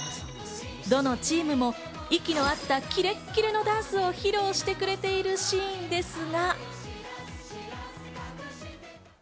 どのチームも息の合ったキレッキレなダンスを披露してくれているシーンですが。